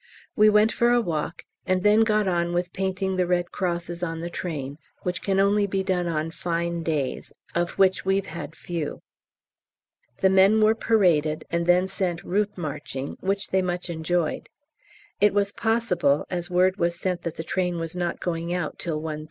We went for a walk, and then got on with painting the red crosses on the train, which can only be done on fine days, of which we've had few. The men were paraded, and then sent route marching, which they much enjoyed. It was possible, as word was sent that the train was not going out till 1.30.